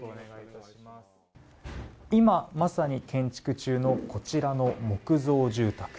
今、まさに建築中のこちらの木造住宅。